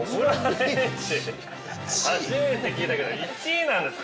初めて聞いたけど１位なんですか？